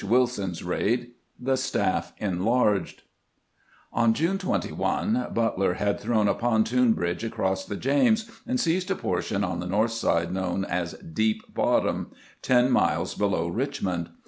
WILSON'S RAID — THE STAFF ENLARGED ON June 21 Butler had thrown a pontoon bridge across the James, and seized a position on the north side known as Deep Bottom, ten miles below Richmond.